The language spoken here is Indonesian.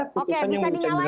keputusan yang mengejadikan